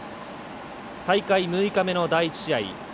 大会６日目の第１試合。